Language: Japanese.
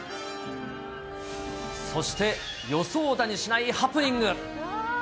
そして予想だにしないハプニング。